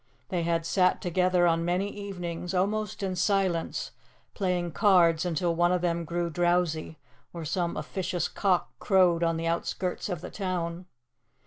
They had sat together on many evenings, almost in silence, playing cards until one of them grew drowsy, or some officious cock crowed on the outskirts of the town.